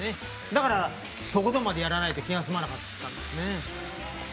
だからとことんまでやらないと気が済まないんですね。